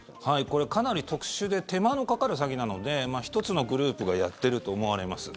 これ、かなり特殊で手間のかかる詐欺なので１つのグループがやっていると思われます。